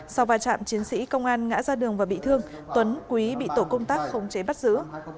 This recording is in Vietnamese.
sau vài trạm chiến sĩ công an ngã ra đường và bị thương tuấn quý bị tổ công tác không chế bắt giữ